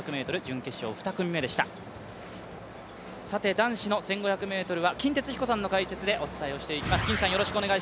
男子の１５００ｍは金哲彦さんの解説でお伝えしていきます。